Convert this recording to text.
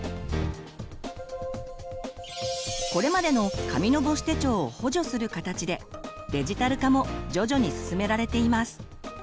これまでの紙の母子手帳を補助する形でデジタル化も徐々に進められています。